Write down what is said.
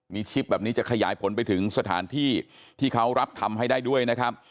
มีชิปแบบนี้จะขยายผลไปถึงสถานที่ที่เขารับทำให้ได้ด้วยนะครับ